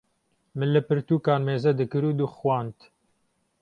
min li pirtûkan mêze dikir û dixwend.